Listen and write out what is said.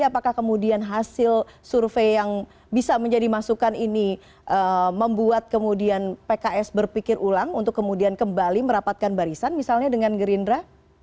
apakah kemudian hasil survei yang bisa menjadi masukan ini membuat kemudian pks berpikir ulang untuk kemudian kembali merapatkan barisan misalnya dengan gerindra